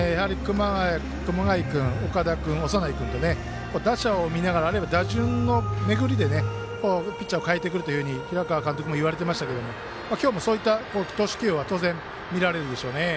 熊谷君、岡田君、長内君と打者を見ながら、打順の巡りでピッチャーを代えてくると平川監督言っていましたけど今日もそういった投手起用見られるでしょうね。